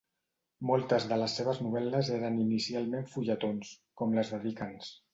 Moltes de les seves novel·les eren inicialment fulletons, com les de Dickens.